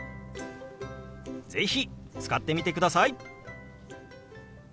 是非使ってみてください！